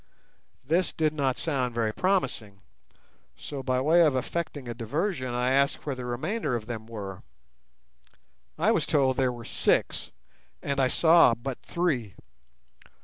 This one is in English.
This did not sound very promising, so by way of effecting a diversion I asked where the remainder of them were. I was told there were six, and I saw but three.